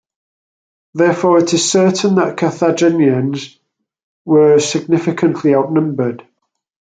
Therefore, it is certain that Carthaginians were significantly outnumbered.